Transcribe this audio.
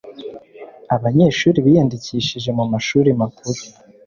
abanyeshuri biyandikishije mu mashuri makuru